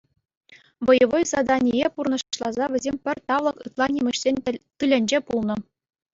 Боевой задание пурнӑҫласа, вӗсем пӗр тавлӑк ытла нимӗҫсен тылӗнче пулнӑ.